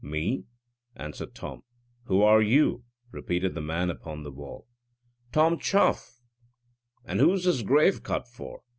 "Me," answered Tom. "Who are you?" repeated the man upon the wall. "Tom Chuff; and who's this grave cut for?"